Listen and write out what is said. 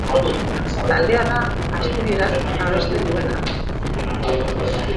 Taldea da, asturieraz abesten duena.